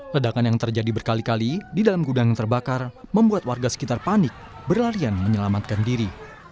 ledakan yang terjadi berkali kali di dalam gudang yang terbakar membuat warga sekitar panik berlarian menyelamatkan diri